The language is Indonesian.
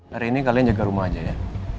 hari ini kalian jaga rumah aja ya